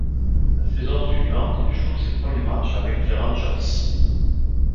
La saison suivante, il joue ses premiers matchs avec les Rangers.